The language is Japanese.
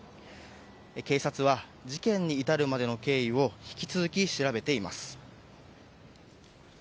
警察は事件に至るまでの経緯を引き続き調べています。